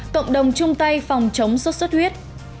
cộng đồng trung tây phòng chống xuất xuất huyết